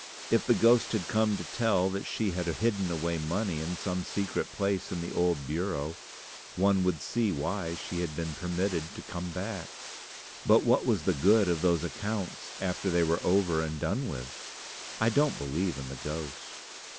If the ghost had come to tell that she had hidden away money in some secret place in the old bureau, one would see why she had been permitted to come back. But what was the good of those accounts after they were over and done with? I don't believe in the ghost."